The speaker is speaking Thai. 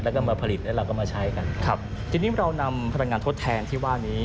แล้วก็มาผลิตแล้วเราก็มาใช้กันครับทีนี้เรานำพลังงานทดแทนที่ว่านี้